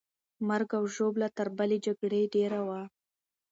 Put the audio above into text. مرګ او ژوبله تر بلې جګړې ډېره وه.